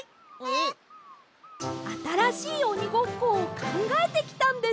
あたらしいおにごっこをかんがえてきたんです。